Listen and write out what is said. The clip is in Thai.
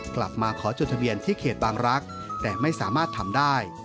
กลับมาขอจดทะเบียนที่เขตบางรักษ์แต่ไม่สามารถทำได้